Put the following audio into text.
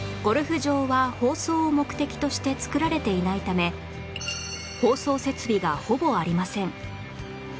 ゴルフ場は放送を目的として造られていないため放送設備がほぼありません